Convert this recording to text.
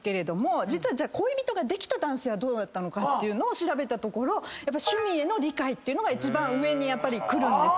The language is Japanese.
実はじゃあ恋人ができた男性はどうだったのかっていうのを調べたところ趣味への理解っていうのが一番上に来るんですね。